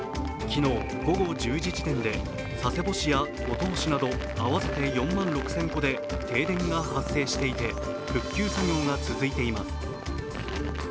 昨日、午後１０時時点で佐世保市や五島市で合わせて４万６０００戸で停電が発生していて、復旧作業が続いています。